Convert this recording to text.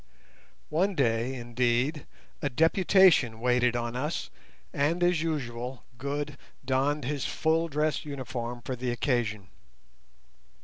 One day, indeed, a deputation waited on us and, as usual, Good donned his full dress uniform for the occasion.